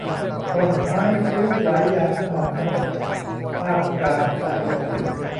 ต้นไม้พลิ้วไหวอย่างสม่ำเสมอท่ามกลางสายลม